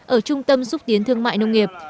ở trung tâm xúc tiến thương mại nông nghiệp